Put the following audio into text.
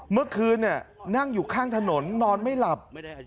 เมื่อคืนนั่งอยู่ข้างถนนนอนไม่หลับ